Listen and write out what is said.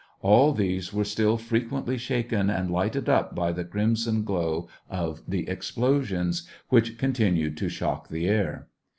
All these were still fre quently shaken and lighted up by the crimson glow of the explosions, which continued to shock the air.